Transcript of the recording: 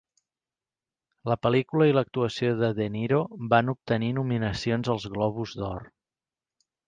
La pel·lícula i l'actuació de De Niro van obtenir nominacions als Globus d'Or.